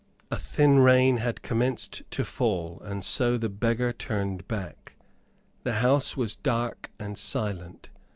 A thin rain had commenced to fall, and so the beggar turned back. The house was dark and silent.